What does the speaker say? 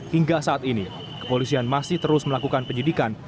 hingga saat ini kepolisian masih terus melakukan penyidikan